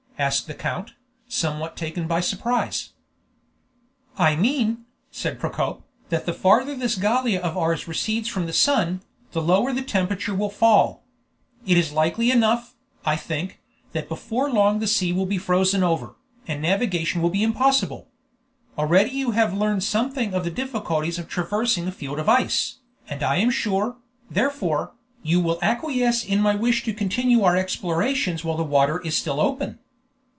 asked the count, somewhat taken by surprise. "I mean," said Procope, "that the farther this Gallia of ours recedes from the sun, the lower the temperature will fall. It is likely enough, I think, that before long the sea will be frozen over, and navigation will be impossible. Already you have learned something of the difficulties of traversing a field of ice, and I am sure, therefore, you will acquiesce in my wish to continue our explorations while the water is still open."